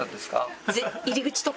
入り口とか。